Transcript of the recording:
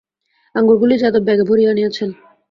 আঙুরগুলি যাদব ব্যাগে ভরিয়া আনিয়াছেন।